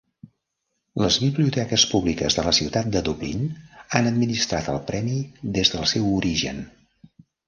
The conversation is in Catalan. Les biblioteques públiques de la ciutat de Dublín han administrat el premi des del seu origen.